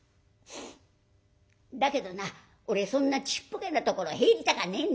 だけどな俺そんなちっぽけなところ入りたかねえんだ。